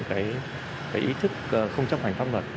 cái ý thức không chấp hành pháp luật